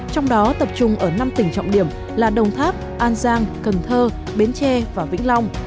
trong đó tập trung ở năm tỉnh trọng điểm là đồng tháp an giang cần thơ bến tre và vĩnh long